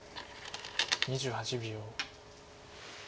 ２８秒。